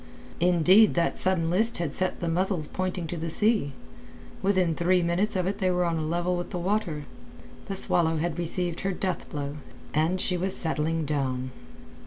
Indeed that sudden list had set the muzzles pointing to the sea; within three minutes of it they were on a level with the water. The Swallow had received her death blow, and she was settling down.